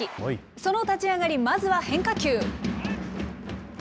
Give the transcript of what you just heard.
その立ち上がり、まずは変化球。